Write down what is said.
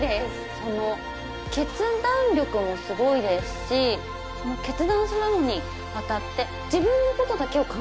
その決断力もすごいですし決断するにあたって。